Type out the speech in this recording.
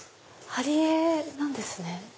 貼り絵なんですね。